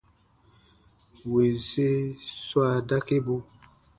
Winsi swa dakibu.